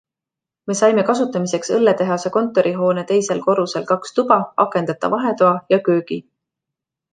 Me saime kasutamiseks õlletehase kontorihoone teisel korrusel kaks tuba, akendeta vahetoa ja köögi.